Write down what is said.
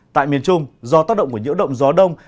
tại miền trung do tác động của nhiễu động gió đông